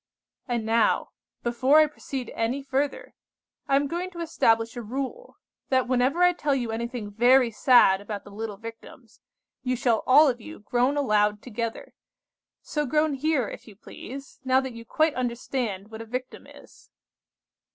"And now, before I proceed any further, I am going to establish a rule, that whenever I tell you anything very sad about the little Victims, you shall all of you groan aloud together. So groan here, if you please, now that you quite understand what a victim is."